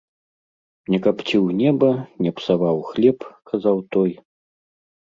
Не капціў неба, не псаваў хлеб, казаў той.